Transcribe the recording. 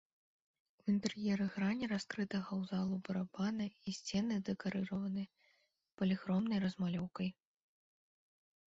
У інтэр'еры грані раскрытага ў залу барабана і сцены дэкарыраваны паліхромнай размалёўкай.